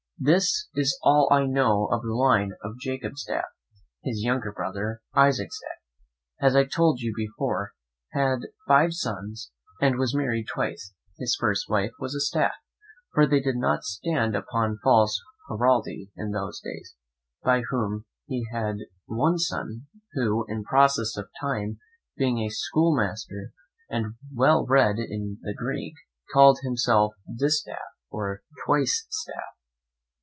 This is all I know of the line of Jacobstaff; his younger brother, Isaacstaff, as I told you before, had five sons, and was married twice; his first wife was a Staff, for they did not stand upon false heraldry in those days, by whom he had one son, who, in process of time, being a schoolmaster and well read in the Greek, called himself Distaff or Twicestaff.